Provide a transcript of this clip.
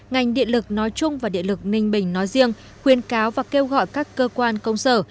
ngành điện lực nói chung và điện lực ninh bình nói riêng khuyên cáo và kêu gọi các cơ quan công sở